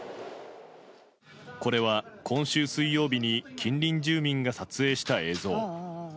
これは今週水曜日に近隣住民が撮影した映像。